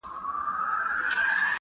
زۀ د تا سره پۀ رقص شمه چيناره